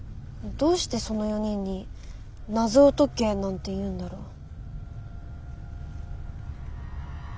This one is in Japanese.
どうしてその４人に謎を解けなんて言うんだろ。